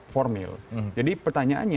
formil jadi pertanyaannya